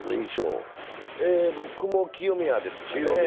僕も清宮ですかね。